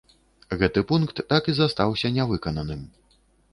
Гэты пункт так і застаўся не выкананым.